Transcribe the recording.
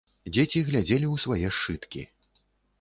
Дзеці глядзелі ў свае сшыткі.